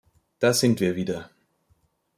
Da sind wir wieder.